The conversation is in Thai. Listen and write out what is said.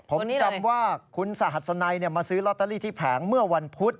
ผมจำว่าคุณสหัสนัยมาซื้อลอตเตอรี่ที่แผงเมื่อวันพุธ